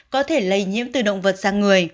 có thể lây nhiễm từ động vật sang người